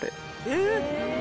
えっ！